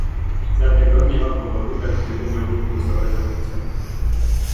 Dlatego nie ma powodu, dla którego miałbym głosować za odrzuceniem